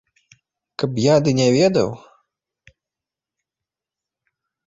Каб я ды не ведаў?